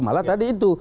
malah tadi itu